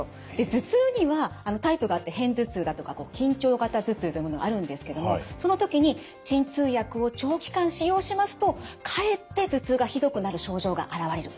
頭痛にはタイプがあって片頭痛だとか緊張型頭痛というものがあるんですけどもその時に鎮痛薬を長期間使用しますとかえって頭痛がひどくなる症状が現れる。